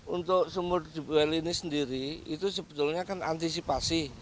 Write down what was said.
untuk sumur dubeli ini sendiri itu sebetulnya kan antisipasi